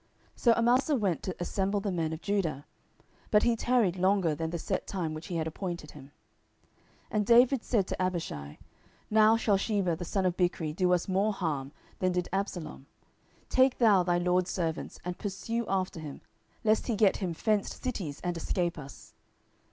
10:020:005 So Amasa went to assemble the men of Judah: but he tarried longer than the set time which he had appointed him. 10:020:006 And David said to Abishai, Now shall Sheba the son of Bichri do us more harm than did Absalom: take thou thy lord's servants, and pursue after him, lest he get him fenced cities, and escape us.